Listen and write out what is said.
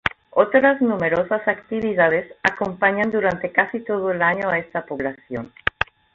Otras numerosas actividades acompañan durante casi todo el año a esta población.